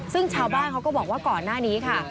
ซึ่งชาวบ้านเขาก็บอกว่าก่อนหน้านี้ค่ะ